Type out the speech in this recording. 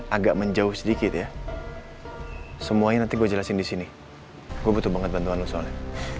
agak menjauh sedikit ya semuanya nanti gue jelasin disini gua butuh banget bantuan lu soalnya